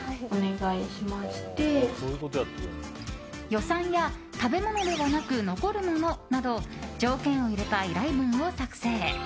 予算や食べ物ではなく残るものなど条件を入れた依頼文を作成。